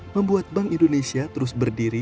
membuat bank indonesia terus berdiri